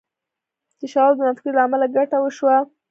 د شواب د مفکورې د تولید له امله ګټه وشوه